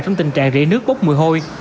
trong tình trạng rễ nước bốc mùi hôi